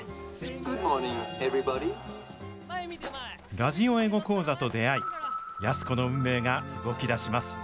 ラジオ英語講座と出会い安子の運命が動き出します